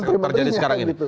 yang terjadi sekarang ini